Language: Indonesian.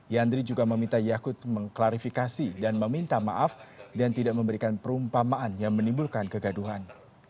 yandri juga meminta yakut mengklarifikasi dan meminta maaf dan tidak memberikan perumpamaan yang menimbulkan kegaduhan